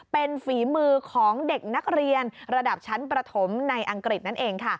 เป็นฝีมือของเด็กนักเรียนระดับชั้นประถมในอังกฤษนั่นเองค่ะ